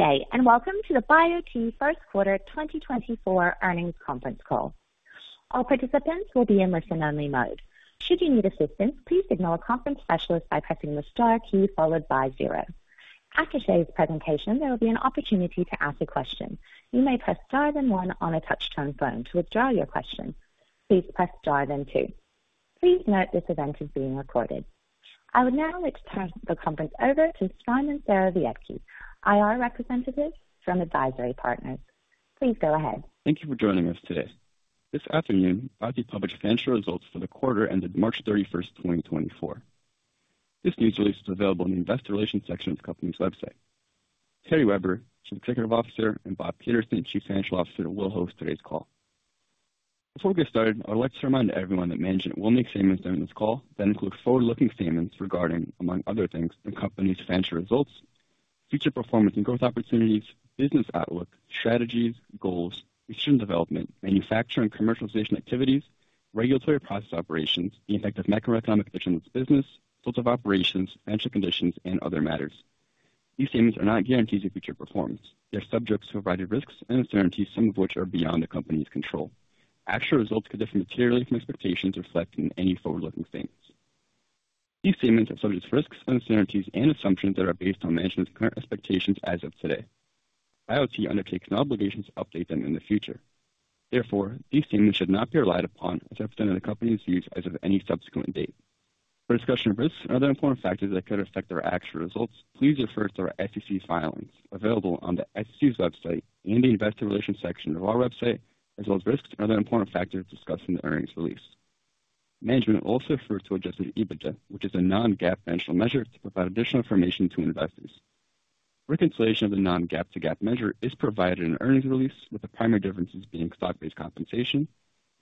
Good day, and welcome to the Biote First Quarter 2024 Earnings Conference Call. All participants will be in listen-only mode. Should you need assistance, please signal a conference specialist by pressing the star key followed by zero. After today's presentation, there will be an opportunity to ask a question. You may press star then one on a touchtone phone. To withdraw your question, please press star then two. Please note, this event is being recorded. I would now like to turn the conference over to Szymon Serowiecki, IR representative from AdvisIRy Partners. Please go ahead. Thank you for joining us today. This afternoon, Biote published financial results for the quarter ended March 31, 2024. This news release is available in the Investor Relations section of the company's website. Terry Weber, Chief Executive Officer, and Bob Peterson, Chief Financial Officer, will host today's call. Before we get started, I would like to remind everyone that management will make statements during this call that include forward-looking statements regarding, among other things, the company's financial results, future performance and growth opportunities, business outlook, strategies, goals, extreme development, manufacturing, commercialization activities, regulatory process operations, the effect of macroeconomic conditions business, sorts of operations, financial conditions, and other matters. These statements are not guarantees of future performance. They are subject to a variety of risks and uncertainties, some of which are beyond the company's control. Actual results could differ materially from expectations reflected in any forward-looking statements. These statements are subject to risks and uncertainties and assumptions that are based on management's current expectations as of today. Biote undertakes an obligation to update them in the future. Therefore, these statements should not be relied upon as representing the company's views as of any subsequent date. For discussion of risks and other important factors that could affect our actual results, please refer to our SEC filings available on the SEC's website in the Investor Relations section of our website, as well as risks and other important factors discussed in the earnings release. Management will also refer to Adjusted EBITDA, which is a non-GAAP financial measure to provide additional information to investors. Reconciliation of the non-GAAP to GAAP measure is provided in earnings release, with the primary differences being stock-based compensation,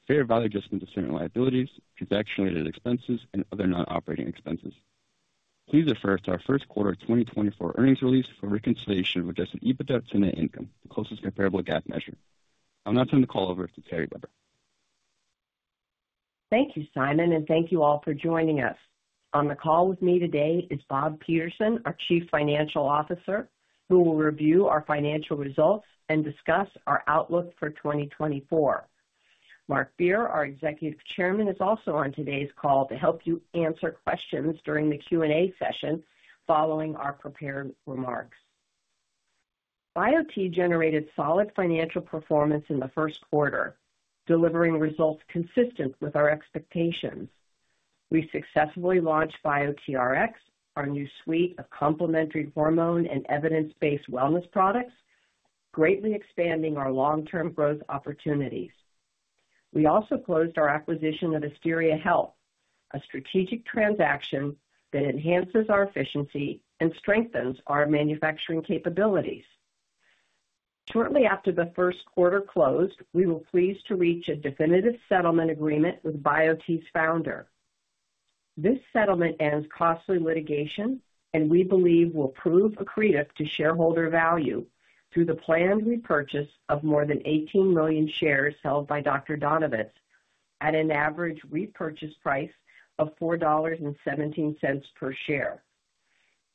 fair value adjustment to certain liabilities, transaction-related expenses, and other non-operating expenses. Please refer to our first quarter of 2024 earnings release for reconciliation of Adjusted EBITDA to net income, the closest comparable GAAP measure. I'll now turn the call over to Terry Weber. Thank you, Szymon, and thank you all for joining us. On the call with me today is Bob Peterson, our Chief Financial Officer, who will review our financial results and discuss our outlook for 2024. Marc Beer, our Executive Chairman, is also on today's call to help you answer questions during the Q&A session following our prepared remarks. Biote generated solid financial performance in the first quarter, delivering results consistent with our expectations. We successfully launched BioteRx, our new suite of complementary hormone and evidence-based wellness products, greatly expanding our long-term growth opportunities. We also closed our acquisition of Asteria Health, a strategic transaction that enhances our efficiency and strengthens our manufacturing capabilities. Shortly after the first quarter closed, we were pleased to reach a definitive settlement agreement with Biote's founder. This settlement ends costly litigation and we believe will prove accretive to shareholder value through the planned repurchase of more than 18 million shares held by Dr. Donovitz at an average repurchase price of $4.17 per share.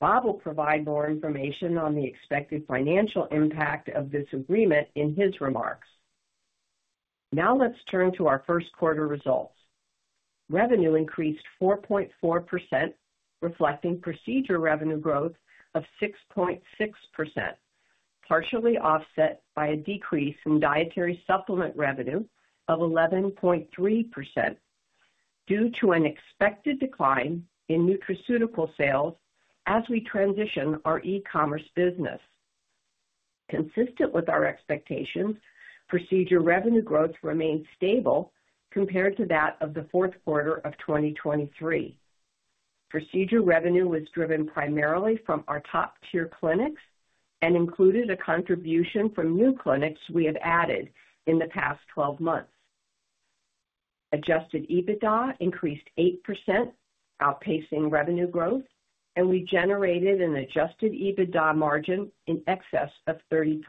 Bob will provide more information on the expected financial impact of this agreement in his remarks. Now let's turn to our first quarter results. Revenue increased 4.4%, reflecting procedure revenue growth of 6.6%, partially offset by a decrease in dietary supplement revenue of 11.3%, due to an expected decline in nutraceutical sales as we transition our e-commerce business. Consistent with our expectations, procedure revenue growth remained stable compared to that of the fourth quarter of 2023. Procedure revenue was driven primarily from our top-tier clinics and included a contribution from new clinics we have added in the past 12 months. Adjusted EBITDA increased 8%, outpacing revenue growth, and we generated an adjusted EBITDA margin in excess of 30%.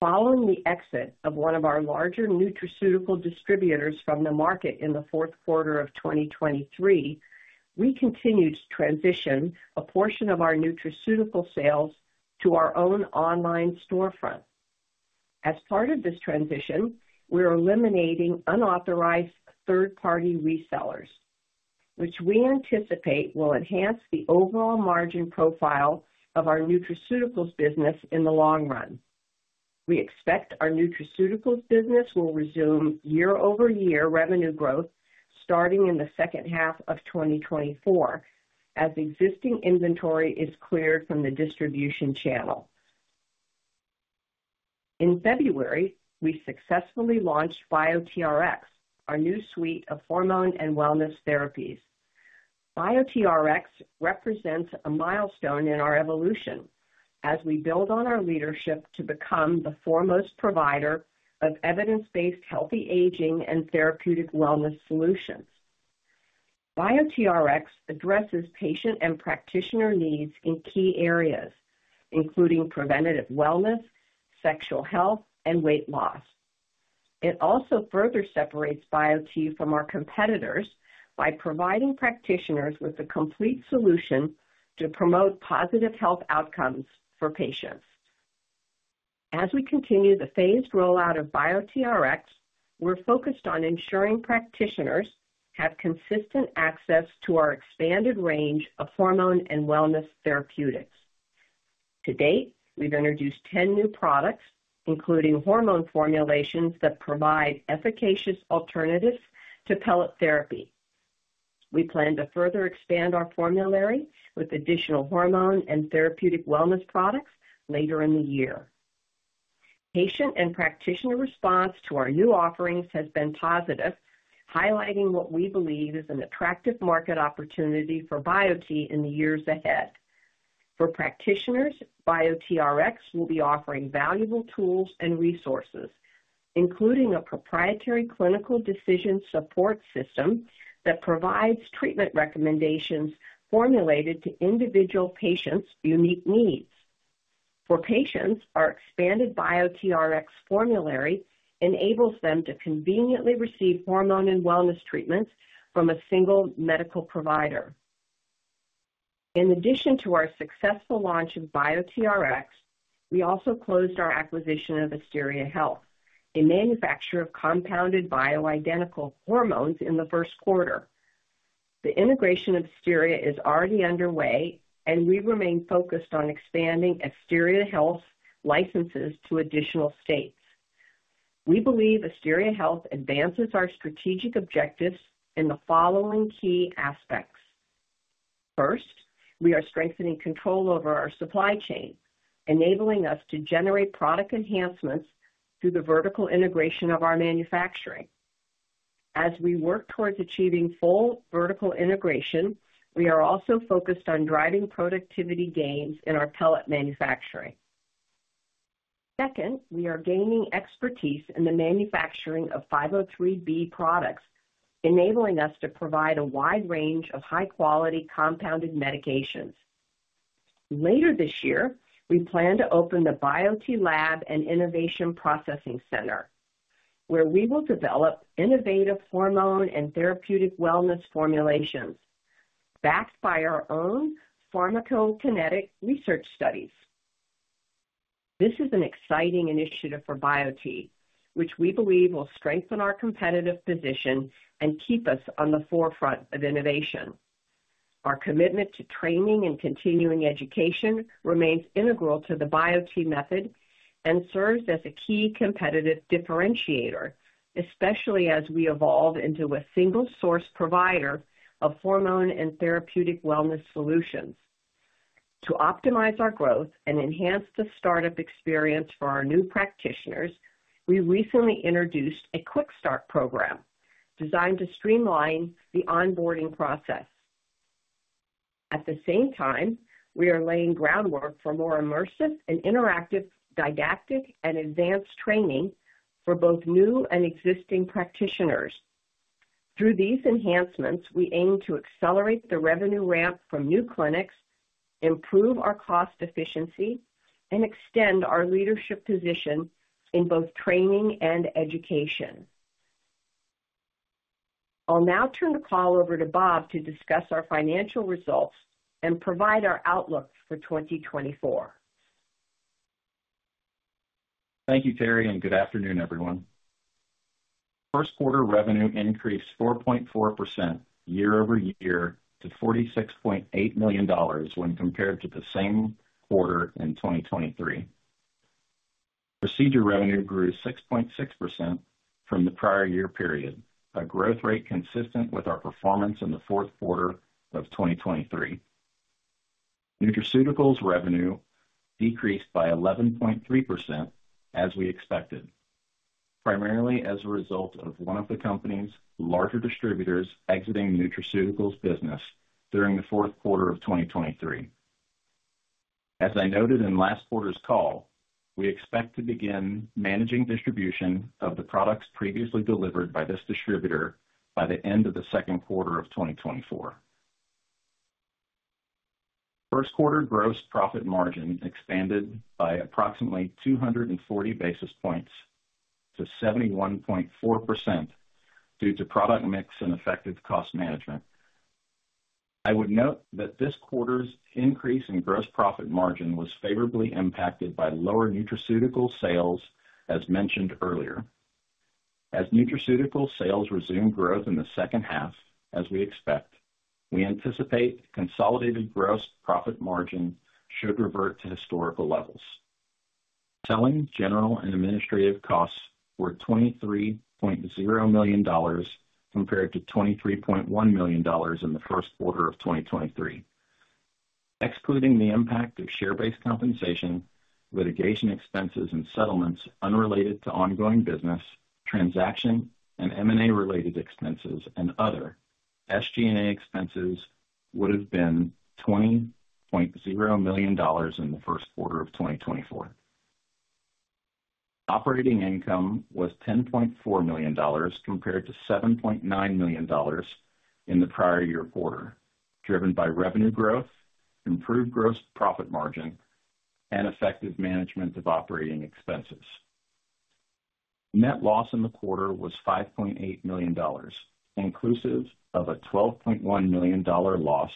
Following the exit of one of our larger nutraceutical distributors from the market in the fourth quarter of 2023, we continued to transition a portion of our nutraceutical sales to our own online storefront. As part of this transition, we are eliminating unauthorized third-party resellers, which we anticipate will enhance the overall margin profile of our nutraceuticals business in the long run. We expect our nutraceuticals business will resume year-over-year revenue growth starting in the second half of 2024 as existing inventory is cleared from the distribution channel. In February, we successfully launched BioteRx, our new suite of hormone and wellness therapies. BioteRx represents a milestone in our evolution as we build on our leadership to become the foremost provider of evidence-based, healthy aging and therapeutic wellness solutions. BioteRx addresses patient and practitioner needs in key areas, including preventative wellness, sexual health, and weight loss... It also further separates Biote from our competitors by providing practitioners with a complete solution to promote positive health outcomes for patients. As we continue the phased rollout of BioteRx, we're focused on ensuring practitioners have consistent access to our expanded range of hormone and wellness therapeutics. To date, we've introduced 10 new products, including hormone formulations that provide efficacious alternatives to pellet therapy. We plan to further expand our formulary with additional hormone and therapeutic wellness products later in the year. Patient and practitioner response to our new offerings has been positive, highlighting what we believe is an attractive market opportunity for Biote in the years ahead. For practitioners, BioteRx will be offering valuable tools and resources, including a proprietary clinical decision support system that provides treatment recommendations formulated to individual patients' unique needs. For patients, our expanded BioteRx formulary enables them to conveniently receive hormone and wellness treatments from a single medical provider. In addition to our successful launch of BioteRx, we also closed our acquisition of Asteria Health, a manufacturer of compounded bioidentical hormones, in the first quarter. The integration of Asteria is already underway, and we remain focused on expanding Asteria Health licenses to additional states. We believe Asteria Health advances our strategic objectives in the following key aspects: First, we are strengthening control over our supply chain, enabling us to generate product enhancements through the vertical integration of our manufacturing. As we work towards achieving full vertical integration, we are also focused on driving productivity gains in our pellet manufacturing. Second, we are gaining expertise in the manufacturing of 503B products, enabling us to provide a wide range of high-quality compounded medications. Later this year, we plan to open the Biote Lab and Innovation Processing Center, where we will develop innovative hormone and therapeutic wellness formulations backed by our own pharmacokinetic research studies. This is an exciting initiative for Biote, which we believe will strengthen our competitive position and keep us on the forefront of innovation. Our commitment to training and continuing education remains integral to the Biote Method and serves as a key competitive differentiator, especially as we evolve into a single-source provider of hormone and therapeutic wellness solutions. To optimize our growth and enhance the startup experience for our new practitioners, we recently introduced a Quick Start Program designed to streamline the onboarding process. At the same time, we are laying groundwork for more immersive and interactive didactic and advanced training for both new and existing practitioners. Through these enhancements, we aim to accelerate the revenue ramp from new clinics, improve our cost efficiency, and extend our leadership position in both training and education. I'll now turn the call over to Bob to discuss our financial results and provide our outlook for 2024. Thank you, Terry, and good afternoon, everyone. First quarter revenue increased 4.4% year-over-year to $46.8 million when compared to the same quarter in 2023. Procedure revenue grew 6.6% from the prior year period, a growth rate consistent with our performance in the fourth quarter of 2023. Nutraceuticals revenue decreased by 11.3%, as we expected, primarily as a result of one of the company's larger distributors exiting the nutraceuticals business during the fourth quarter of 2023. As I noted in last quarter's call, we expect to begin managing distribution of the products previously delivered by this distributor by the end of the second quarter of 2024. First quarter gross profit margin expanded by approximately 240 basis points to 71.4% due to product mix and effective cost management. I would note that this quarter's increase in gross profit margin was favorably impacted by lower nutraceutical sales, as mentioned earlier. As nutraceutical sales resume growth in the second half, as we expect, we anticipate consolidated gross profit margin should revert to historical levels. Selling, general, and administrative costs were $23.0 million, compared to $23.1 million in the first quarter of 2023. Excluding the impact of share-based compensation, litigation expenses and settlements unrelated to ongoing business, transaction and M&A-related expenses and other SG&A expenses would have been $20.0 million in the first quarter of 2024. Operating income was $10.4 million, compared to $7.9 million in the prior year quarter, driven by revenue growth, improved gross profit margin, and effective management of operating expenses. Net loss in the quarter was $5.8 million, inclusive of a $12.1 million loss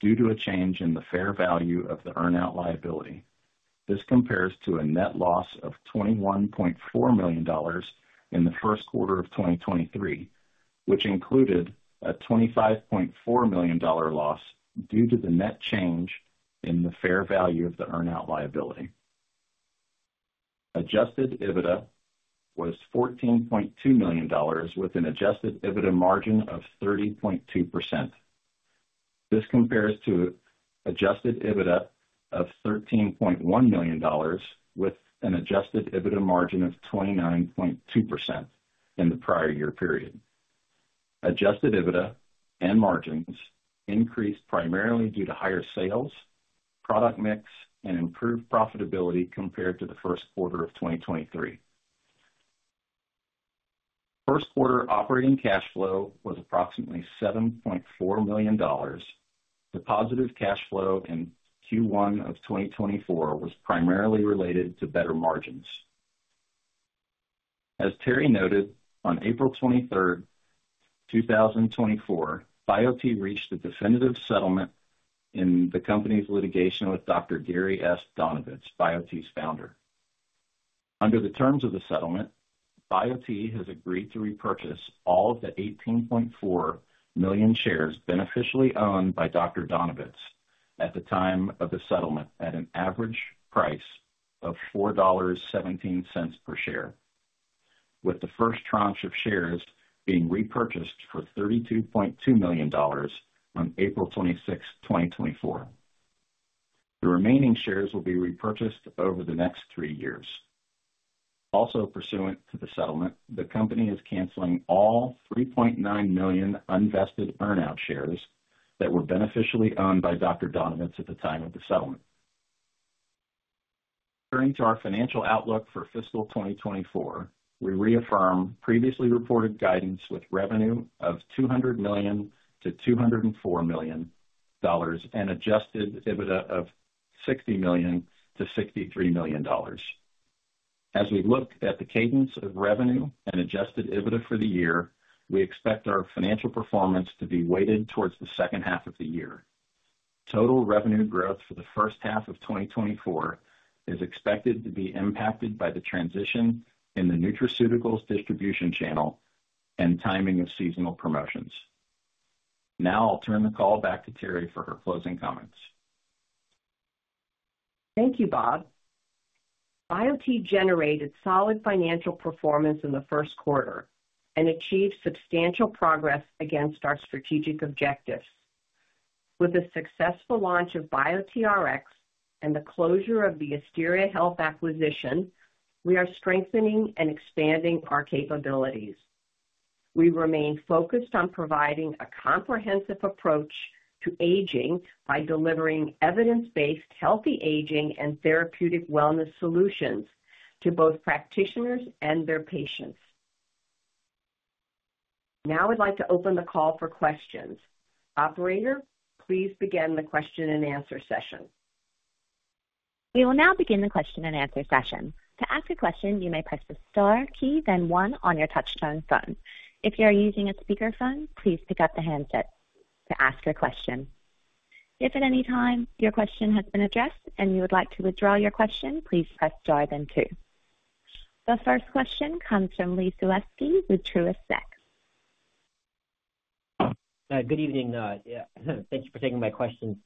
due to a change in the fair value of the earn-out liability. This compares to a net loss of $21.4 million in the first quarter of 2023, which included a $25.4 million loss due to the net change in the fair value of the earn-out liability. Adjusted EBITDA was $14.2 million, with an adjusted EBITDA margin of 30.2%. This compares to adjusted EBITDA of $13.1 million, with an adjusted EBITDA margin of 29.2% in the prior year period. Adjusted EBITDA and margins increased primarily due to higher sales, product mix and improved profitability compared to the first quarter of 2023. First quarter operating cash flow was approximately $7.4 million. The positive cash flow in Q1 of 2024 was primarily related to better margins. As Terry noted, on April 23, 2024, Biote reached a definitive settlement in the company's litigation with Dr. Gary Donovitz, Biote's founder. Under the terms of the settlement, Biote has agreed to repurchase all of the 18.4 million shares beneficially owned by Dr. Donovitz at the time of the settlement, at an average price of $4.17 per share, with the first tranche of shares being repurchased for $32.2 million on April 26, 2024. The remaining shares will be repurchased over the next three years. Also, pursuant to the settlement, the company is canceling all 3.9 million unvested earn-out shares that were beneficially owned by Dr. Donovitz at the time of the settlement. Turning to our financial outlook for fiscal 2024, we reaffirm previously reported guidance with revenue of $200 million-$204 million and Adjusted EBITDA of $60 million-$63 million. As we look at the cadence of revenue and Adjusted EBITDA for the year, we expect our financial performance to be weighted towards the second half of the year. Total revenue growth for the first half of 2024 is expected to be impacted by the transition in the nutraceuticals distribution channel and timing of seasonal promotions. Now I'll turn the call back to Terry for her closing comments. Thank you, Bob. Biote generated solid financial performance in the first quarter and achieved substantial progress against our strategic objectives. With the successful launch of BioteRx and the closure of the Asteria Health acquisition, we are strengthening and expanding our capabilities. We remain focused on providing a comprehensive approach to aging by delivering evidence-based, healthy aging and therapeutic wellness solutions to both practitioners and their patients. Now, I'd like to open the call for questions. Operator, please begin the Q&A session. We will now begin the Q&A session. To ask a question, you may press the star key, then one on your touchtone phone. If you are using a speakerphone, please pick up the handset to ask your question. If at any time your question has been addressed and you would like to withdraw your question, please press star, then two. The first question comes from Les Sulewski with Truist Securities. Good evening. Yeah, thank you for taking my questions.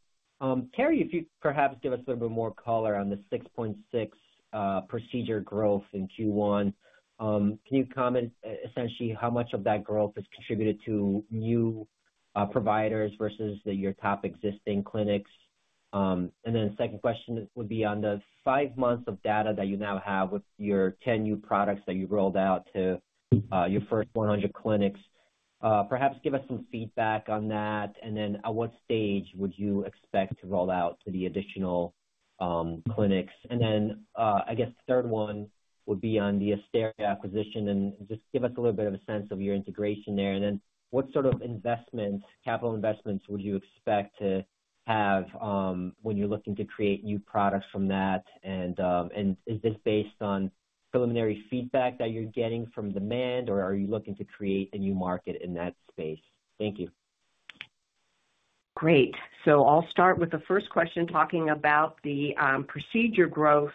Terry, if you'd perhaps give us a little bit more color on the 6.6 procedure growth in Q1. Can you comment essentially how much of that growth is contributed to new providers versus your top existing clinics? And then the second question would be on the five months of data that you now have with your 10 new products that you've rolled out to your first 100 clinics. Perhaps give us some feedback on that. And then at what stage would you expect to roll out to the additional clinics? And then, I guess the third one would be on the Asteria acquisition, and just give us a little bit of a sense of your integration there. And then what sort of investments, capital investments, would you expect to have, when you're looking to create new products from that? And, and is this based on preliminary feedback that you're getting from demand, or are you looking to create a new market in that space? Thank you. Great. So I'll start with the first question, talking about the procedure growth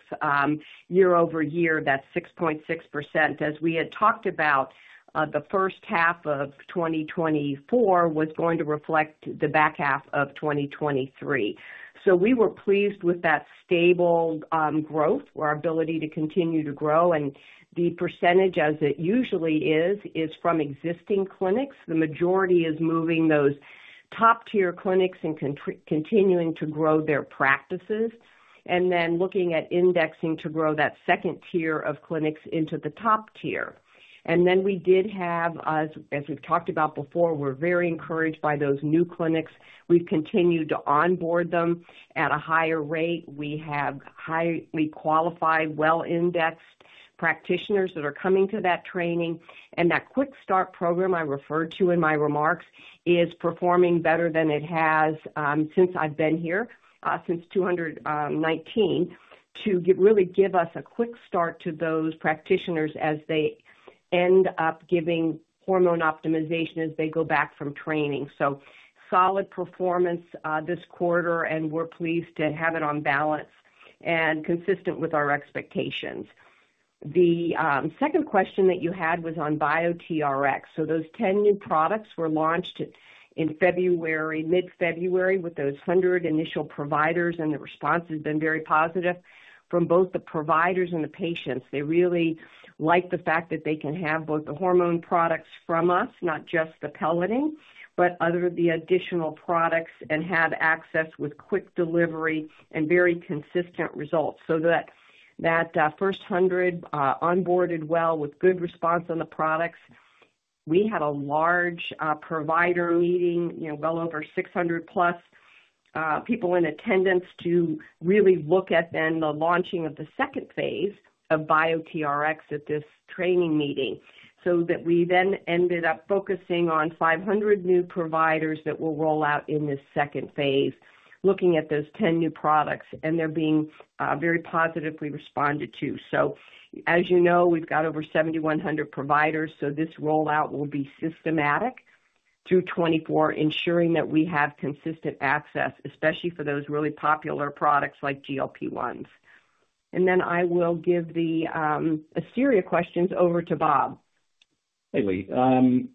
year over year, that's 6.6%. As we had talked about, the first half of 2024 was going to reflect the back half of 2023. So we were pleased with that stable growth or our ability to continue to grow. And the percentage, as it usually is, is from existing clinics. The majority is moving those top-tier clinics and continuing to grow their practices, and then looking at indexing to grow that second tier of clinics into the top tier. And then we did have, as we've talked about before, we're very encouraged by those new clinics. We've continued to onboard them at a higher rate. We have highly qualified, well-indexed practitioners that are coming to that training. And that Quick Start Program I referred to in my remarks is performing better than it has since I've been here since 2019 to really give us a quick start to those practitioners as they end up giving hormone optimization as they go back from training. So solid performance this quarter, and we're pleased to have it on balance and consistent with our expectations. The second question that you had was on BioteRx. So those 10 new products were launched in February, mid-February, with those 100 initial providers, and the response has been very positive from both the providers and the patients. They really like the fact that they can have both the hormone products from us, not just the pelleting, but other, the additional products, and have access with quick delivery and very consistent results. So that first 100 onboarded well with good response on the products. We had a large provider meeting, you know, well over 600+ people in attendance to really look at then the launching of the second phase of BioteRx at this training meeting. So that we then ended up focusing on 500 new providers that will roll out in this second phase, looking at those 10 new products. And they're being very positively responded to. So, as you know, we've got over 7,100 providers, so this rollout will be systematic through 2024, ensuring that we have consistent access, especially for those really popular products like GLP-1s. And then I will give the Asteria questions over to Bob. Hey, Lee.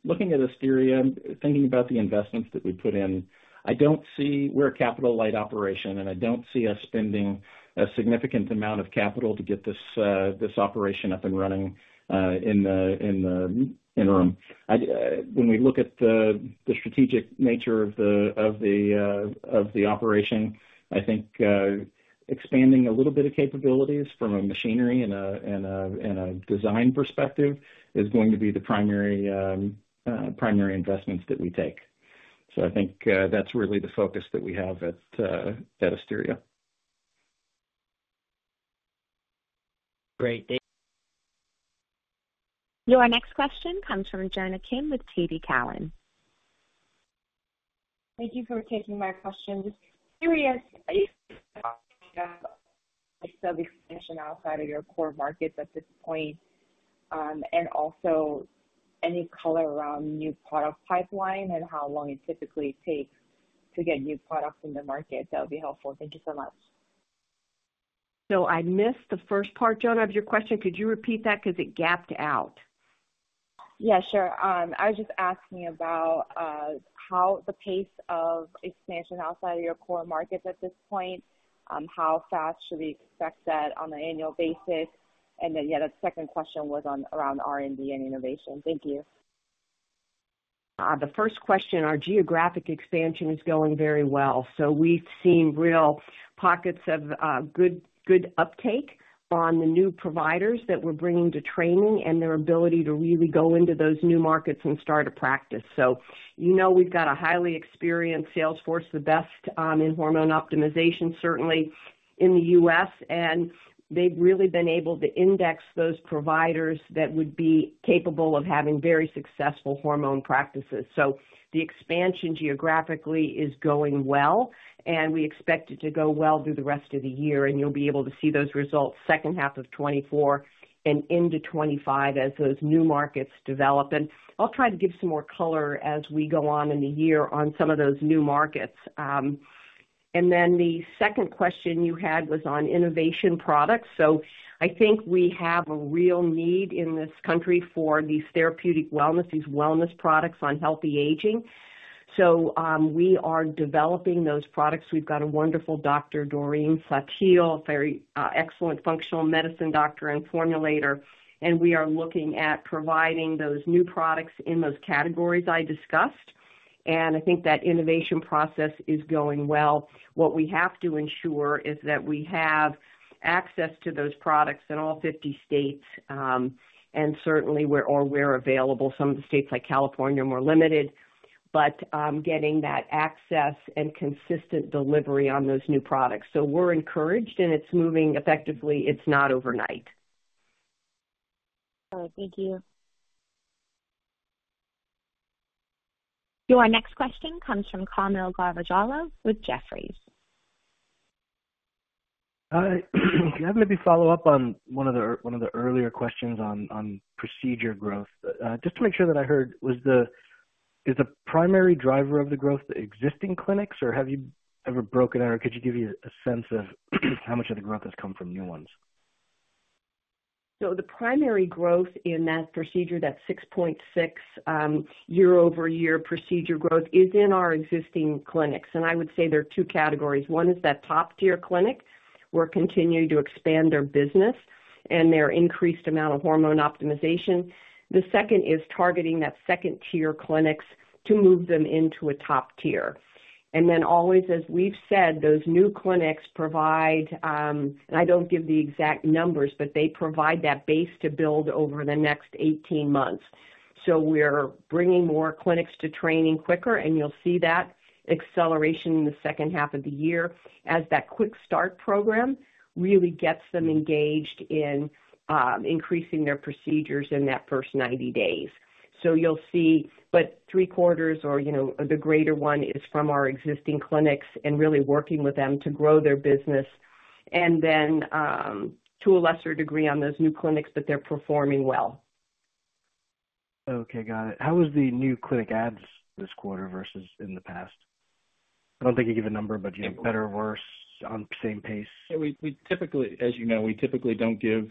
Looking at Asteria, thinking about the investments that we put in, I don't see... We're a capital light operation, and I don't see us spending a significant amount of capital to get this operation up and running in the interim. When we look at the strategic nature of the operation, I think expanding a little bit of capabilities from a machinery and a design perspective is going to be the primary investments that we take. So I think that's really the focus that we have at Asteria. Great. Your next question comes from Jonna Kim with TD Cowen. Thank you for taking my question. Just curious, expansion outside of your core markets at this point, and also any color around new product pipeline and how long it typically takes to get new products in the market, that would be helpful. Thank you so much. So I missed the first part, Jonna, of your question. Could you repeat that? Because it gapped out. Yeah, sure. I was just asking about how the pace of expansion outside of your core markets at this point, how fast should we expect that on an annual basis? And then, yeah, the second question was on around R&D and innovation. Thank you. The first question, our geographic expansion is going very well. So we've seen real pockets of good, good uptake on the new providers that we're bringing to training and their ability to really go into those new markets and start a practice. So you know, we've got a highly experienced sales force, the best in hormone optimization, certainly in the U.S. And they've really been able to index those providers that would be capable of having very successful hormone practices. So the expansion geographically is going well, and we expect it to go well through the rest of the year, and you'll be able to see those results second half of 2024 and into 2025 as those new markets develop. And I'll try to give some more color as we go on in the year on some of those new markets. And then the second question you had was on innovation products. So I think we have a real need in this country for these therapeutic wellness, these wellness products on healthy aging. So, we are developing those products. We've got a wonderful doctor, Doreen Saltiel, a very, excellent functional medicine doctor and formulator, and we are looking at providing those new products in those categories I discussed. And I think that innovation process is going well. What we have to ensure is that we have access to those products in all 50 states, and certainly where, or where available. Some of the states, like California, are more limited, but getting that access and consistent delivery on those new products. So we're encouraged, and it's moving effectively. It's not overnight. All right. Thank you. Your next question comes from Kaumil Gajrawala with Jefferies. Hi. Can I maybe follow up on one of the earlier questions on procedure growth? Just to make sure that I heard, is the primary driver of the growth the existing clinics, or have you ever broken out, or could you give me a sense of how much of the growth has come from new ones? So the primary growth in that procedure, that 6.6 year-over-year procedure growth, is in our existing clinics. And I would say there are two categories. One is that top-tier clinic. We're continuing to expand their business and their increased amount of hormone optimization. The second is targeting that second-tier clinics to move them into a top tier. And then always, as we've said, those new clinics provide, and I don't give the exact numbers, but they provide that base to build over the next 18 months. So we're bringing more clinics to training quicker, and you'll see that acceleration in the second half of the year as that Quick Start Program really gets them engaged in increasing their procedures in that first 90 days. You'll see, but three quarters or, you know, the greater one is from our existing clinics and really working with them to grow their business, and then to a lesser degree on those new clinics, but they're performing well. Okay, got it. How was the new clinic adds this quarter versus in the past? I don't think you give a number, but do you better or worse on same pace? We typically, as you know, we typically don't give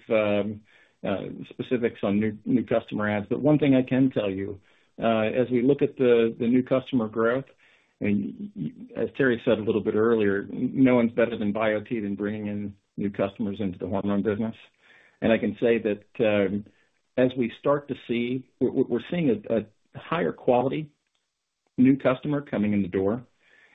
specifics on new customer adds. But one thing I can tell you, as we look at the new customer growth, and as Terry said a little bit earlier, no one's better than BioTE in bringing in new customers into the hormone business. And I can say that, as we start to see, we're seeing a higher quality new customer coming in the door.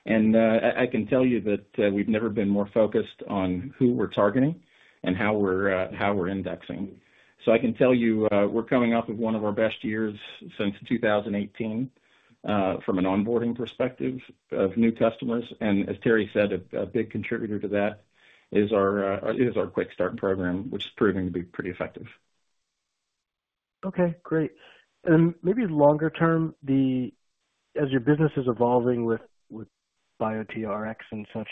And I can tell you that, we've never been more focused on who we're targeting and how we're indexing. So I can tell you, we're coming off of one of our best years since 2018, from an onboarding perspective of new customers, and as Terry said, a big contributor to that is our Quick Start program, which is proving to be pretty effective. Okay, great. And maybe longer term, as your business is evolving with BioteRx and such,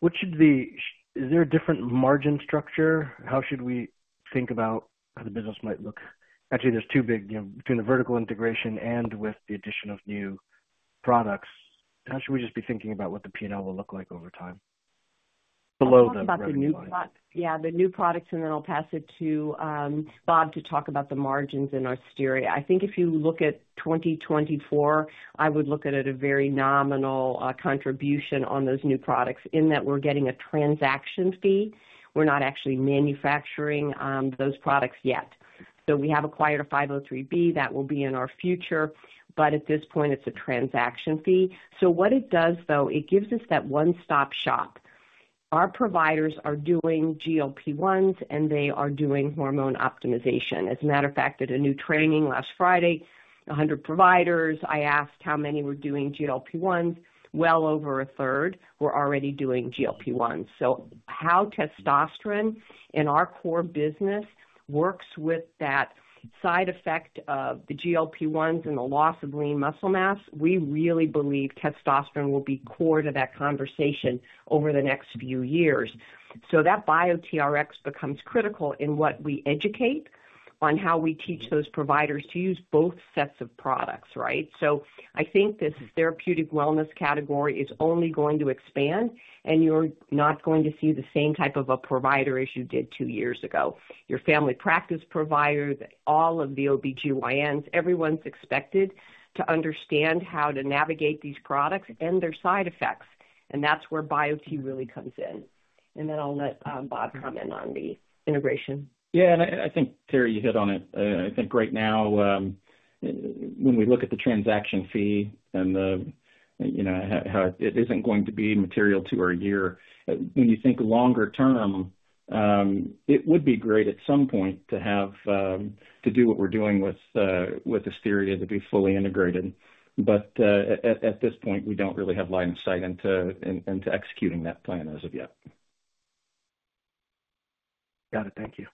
what should the shape be? Is there a different margin structure? How should we think about how the business might look? Actually, there's two big, you know, between the vertical integration and with the addition of new products, how should we just be thinking about what the P&L will look like over time? Below the- I'll talk about the new products, and then I'll pass it to Bob to talk about the margins in Asteria. I think if you look at 2024, I would look at it a very nominal contribution on those new products in that we're getting a transaction fee. We're not actually manufacturing those products yet. So we have acquired a 503B, that will be in our future, but at this point it's a transaction fee. So what it does, though, it gives us that one-stop shop. Our providers are doing GLP-1s, and they are doing hormone optimization. As a matter of fact, at a new training last Friday, 100 providers, I asked how many were doing GLP-1, well over a third were already doing GLP-1. So how testosterone in our core business works with that side effect of the GLP-1s and the loss of lean muscle mass, we really believe testosterone will be core to that conversation over the next few years. So that BioteRx becomes critical in what we educate on how we teach those providers to use both sets of products, right? So I think this therapeutic wellness category is only going to expand, and you're not going to see the same type of a provider as you did two years ago. Your family practice provider, all of the OBGYNs, everyone's expected to understand how to navigate these products and their side effects, and that's where Biote really comes in. And then I'll let Bob comment on the integration. Yeah, and I think, Terry, you hit on it. I think right now, when we look at the transaction fee and the, you know, how it isn't going to be material to our year. When you think longer term, it would be great at some point to have to do what we're doing with Asteria, to be fully integrated. But at this point, we don't really have line of sight into executing that plan as of yet. Got it. Thank you.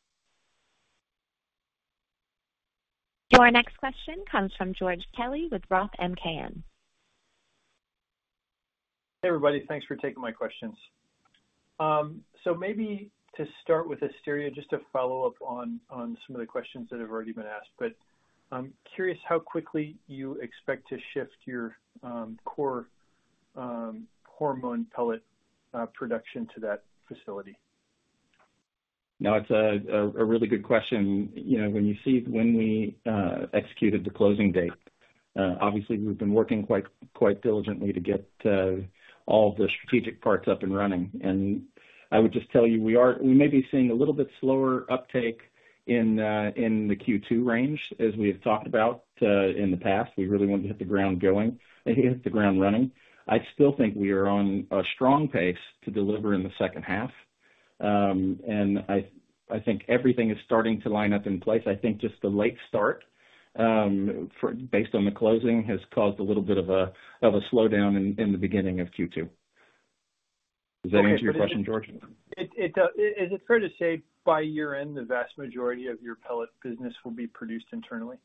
Your next question comes from George Kelly with Roth MKM. Hey, everybody. Thanks for taking my questions. So maybe to start with Asteria, just to follow up on, on some of the questions that have already been asked, but I'm curious how quickly you expect to shift your, core, hormone pellet, production to that facility? No, it's a really good question. You know, when you see when we executed the closing date, obviously we've been working quite, quite diligently to get all the strategic parts up and running. And I would just tell you, we are. We may be seeing a little bit slower uptake in the Q2 range, as we have talked about in the past. We really wanted to hit the ground running. I still think we are on a strong pace to deliver in the second half. And I think everything is starting to line up in place. I think just the late start for based on the closing has caused a little bit of a slowdown in the beginning of Q2. Does that answer your question, George? It, it does. Is it fair to say, by year-end, the vast majority of your pellet business will be produced internally?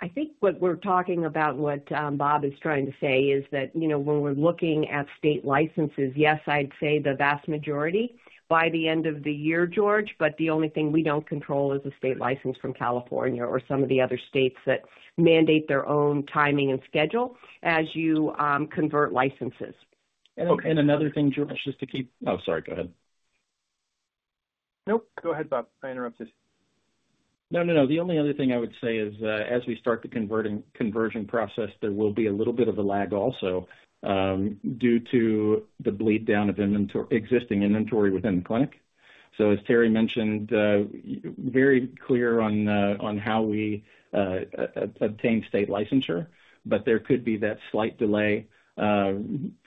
I think what we're talking about, what, Bob is trying to say is that, you know, when we're looking at state licenses, yes, I'd say the vast majority by the end of the year, George, but the only thing we don't control is a state license from California or some of the other states that mandate their own timing and schedule as you, convert licenses. And another thing, George, just to keep... Oh, sorry, go ahead. Nope, go ahead, Bob. I interrupted. No, no, no. The only other thing I would say is, as we start the converting, conversion process, there will be a little bit of a lag also, due to the bleed down of inventory, existing inventory within the clinic. So as Terry mentioned, very clear on how we obtain state licensure, but there could be that slight delay,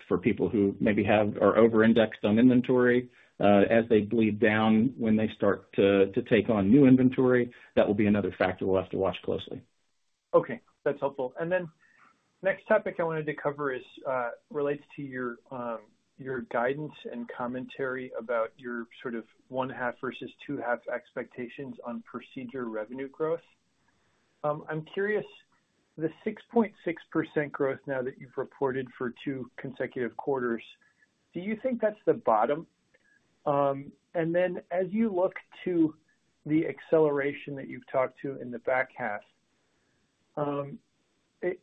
for people who maybe have or over-indexed on inventory, as they bleed down when they start to take on new inventory. That will be another factor we'll have to watch closely.... Okay, that's helpful. And then next topic I wanted to cover is, relates to your, your guidance and commentary about your sort of 1.5 versus 2.5 expectations on procedure revenue growth. I'm curious, the 6.6% growth now that you've reported for two consecutive quarters, do you think that's the bottom? And then as you look to the acceleration that you've talked to in the back half,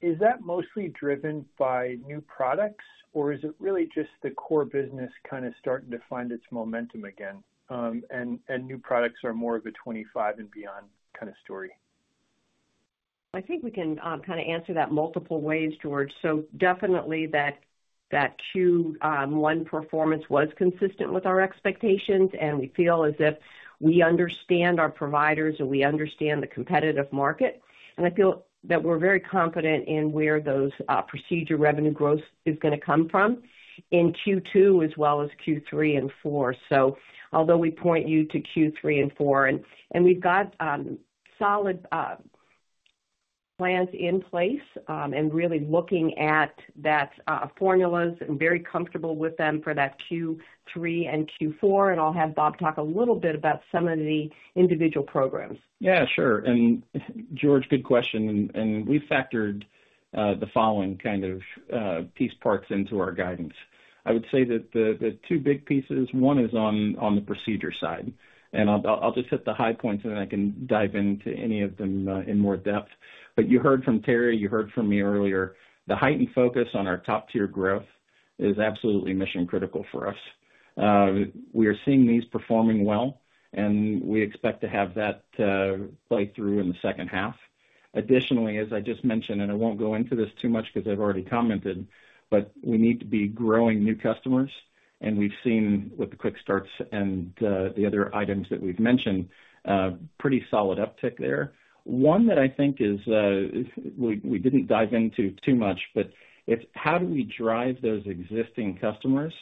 is that mostly driven by new products, or is it really just the core business kind of starting to find its momentum again, and, and new products are more of a 25 and beyond kind of story? I think we can kind of answer that multiple ways, George. So definitely that Q1 performance was consistent with our expectations, and we feel as if we understand our providers and we understand the competitive market. And I feel that we're very confident in where those procedure revenue growth is going to come from in Q2 as well as Q3 and Q4. So although we point you to Q3 and Q4, and we've got solid plans in place, and really looking at that formulas and very comfortable with them for that Q3 and Q4. And I'll have Bob talk a little bit about some of the individual programs. Yeah, sure. And George, good question. And we've factored the following kind of piece parts into our guidance. I would say that the two big pieces, one is on the procedure side, and I'll just hit the high points, and I can dive into any of them in more depth. But you heard from Terry, you heard from me earlier, the heightened focus on our top tier growth is absolutely mission critical for us. We are seeing these performing well, and we expect to have that play through in the second half. Additionally, as I just mentioned, and I won't go into this too much because I've already commented, but we need to be growing new customers, and we've seen with the quick starts and the other items that we've mentioned, pretty solid uptick there. One that I think is, we didn't dive into too much, but it's how do we drive those existing customers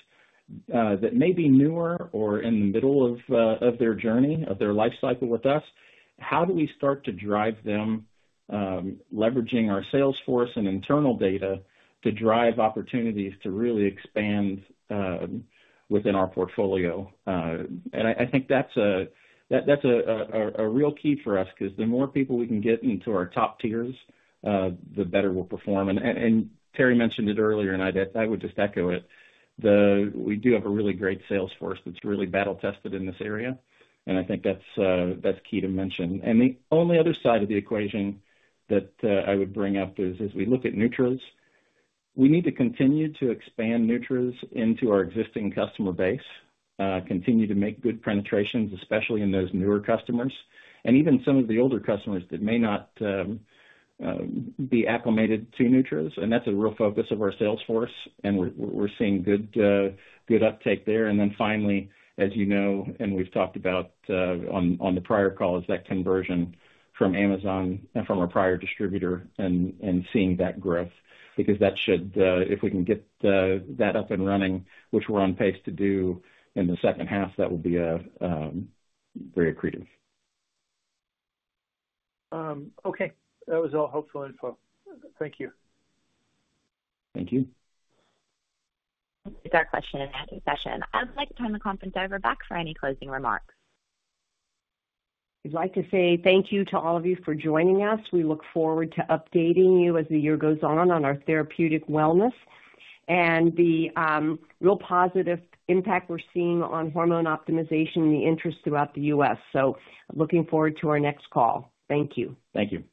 that may be newer or in the middle of their journey, of their life cycle with us, how do we start to drive them, leveraging our sales force and internal data to drive opportunities to really expand within our portfolio? And I think that's a real key for us, because the more people we can get into our top tiers, the better we'll perform. And Terry mentioned it earlier, and I would just echo it, we do have a really great sales force that's really battle tested in this area, and I think that's key to mention. The only other side of the equation that I would bring up is, as we look at nutris, we need to continue to expand nutris into our existing customer base, continue to make good penetrations, especially in those newer customers and even some of the older customers that may not be acclimated to nutris. That's a real focus of our sales force, and we're seeing good uptake there. Then finally, as you know, and we've talked about on the prior call, is that conversion from Amazon and from our prior distributor and seeing that growth, because that should, if we can get that up and running, which we're on pace to do in the second half, that will be very accretive. Okay. That was all helpful info. Thank you. Thank you. That's our Q&A session. I would like to turn the conference over back for any closing remarks. We'd like to say thank you to all of you for joining us. We look forward to updating you as the year goes on, on our therapeutic wellness and the real positive impact we're seeing on hormone optimization and the interest throughout the U.S. Looking forward to our next call. Thank you. Thank you.